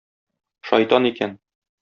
Шайтан икән!